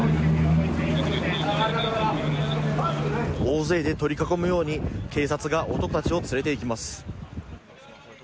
大勢で取り囲むように警察が男たちを連れていきます。